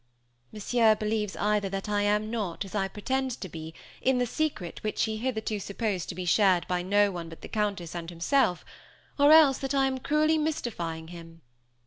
"Monsieur believes either that I am not, as I pretend to be, in the secret which he hitherto supposed to be shared by no one but the Countess and himself, or else that I am cruelly mystifying him.